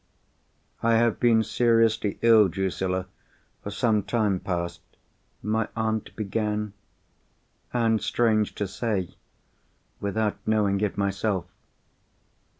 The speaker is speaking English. "I have been seriously ill, Drusilla, for some time past," my aunt began. "And, strange to say, without knowing it myself."